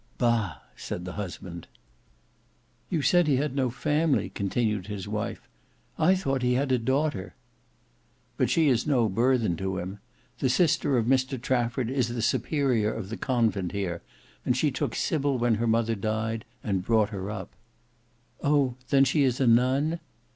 "Bah!" said the husband. "You said he had no family," continued his wife. "I thought he had a daughter." "But she is no burthen to him. The sister of Mr Trafford is the Superior of the convent here, and she took Sybil when her mother died, and brought her up." "Oh! then she is a nun?"